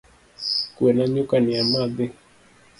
Kue na nyuka ni amadhi